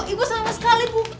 ibu sama sekali bu